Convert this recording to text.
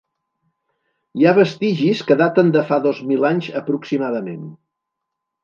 Hi ha vestigis que daten de fa dos mil anys aproximadament.